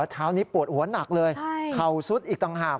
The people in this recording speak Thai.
เช้านี้ปวดหัวหนักเลยเข่าซุดอีกต่างหาก